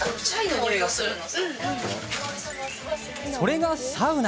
それが、サウナ。